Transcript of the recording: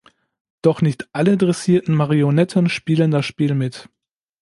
Doch nicht alle dressierten Marionetten spielen das Spiel mit.